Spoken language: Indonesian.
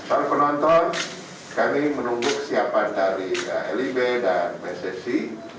selalu penonton kami menunggu siapan dari lib dan pssi